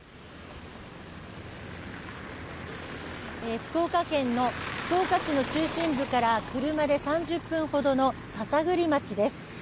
福岡県の福岡市の中心部から車で３０分ほどの篠栗町です。